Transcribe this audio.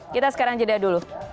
kita sekarang jeda dulu